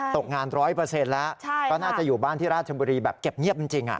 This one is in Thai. ตกงาน๑๐๐แล้วก็น่าจะอยู่บ้านที่ราชบุรีแบบเก็บเงียบจริง